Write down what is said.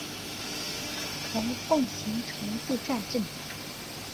虫奉行常住战阵！